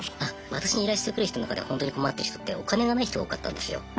私に依頼してくる人の中でホントに困ってる人ってお金がない人が多かったんですよ。